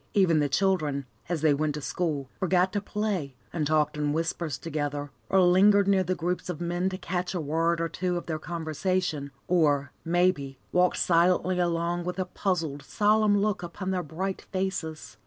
Even the children, as they went to school, forgot to play, and talked in whispers together, or lingered near the groups of men to catch a word or two of their conversation, or, maybe, walked silently along with a puzzled, solemn look upon their bright faces.